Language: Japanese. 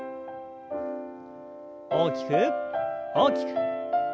大きく大きく。